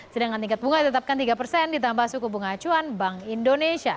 sedangkan tingkat bunga ditetapkan tiga persen ditambah suku bunga acuan bank indonesia